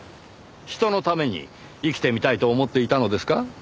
人のために生きてみたいと思っていたのですか？